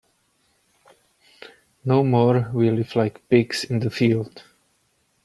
No more we live like pigs in the field.